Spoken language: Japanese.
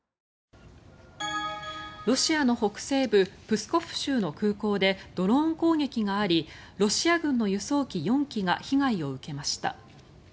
ロシアの北西部プスコフ州の空港でドローン攻撃がありロシア軍の輸送機４機が被害を受けました。